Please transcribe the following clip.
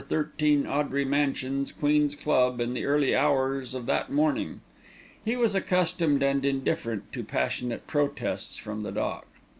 13 Audrey Mansions, Queen's Club, in the early hours of that morning. He was accustomed and indifferent to passionate protests from the dock.